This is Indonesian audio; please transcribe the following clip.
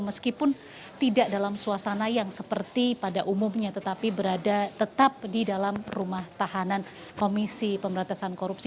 meskipun tidak dalam suasana yang seperti pada umumnya tetapi berada tetap di dalam rumah tahanan komisi pemberantasan korupsi